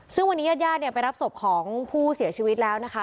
ซึ่งวันนี้ญาติญาติเนี่ยไปรับศพของผู้เสียชีวิตแล้วนะคะ